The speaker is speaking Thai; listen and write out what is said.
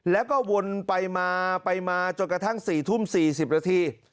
แล้วก็วนไปมาไปมาจนกระทั่ง๔ทุ่ม๔๐นาที